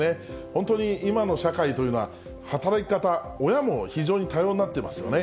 本当に今の社会というのは、働き方、親も非常に多様になっていますよね。